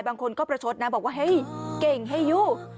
บางคนก็ประชดนะบอกว่าเฮ้ยเก่งให้ยู่